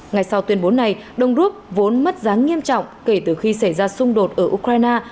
ngày sau tuyên bố này đông rút vốn mất giá nghiêm trọng kể từ khi xảy ra xung đột ở ukraine